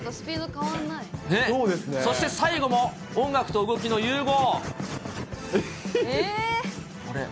変わん最後も音楽と動きの融合。